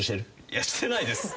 いやしてないです。